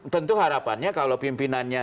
tentu harapannya kalau pimpinannya